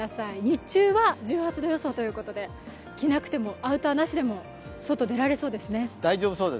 日中は１８度予想ということで、アウターなしでも外に出られそうですね。